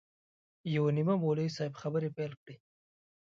یو نیمه مولوي صاحب خبرې پیل کړې.